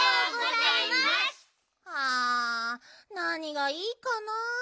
あなにがいいかなあ？